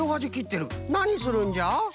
なにするんじゃ？